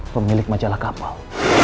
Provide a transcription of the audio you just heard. pemilik majalah kapal